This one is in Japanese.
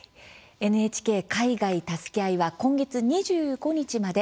「ＮＨＫ海外たすけあい」は今月２５日まで。